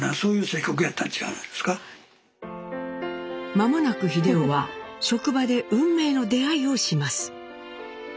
間もなく英夫は職場で運命の出会いをします。